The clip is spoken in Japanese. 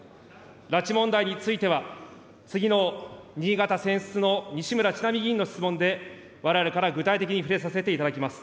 拉致問題については、次の新潟選出の西村智奈美議員の質問で、われわれから具体的に触れさせていただきます。